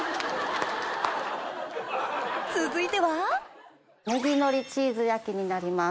続いてはネギ海苔チーズ焼きになります。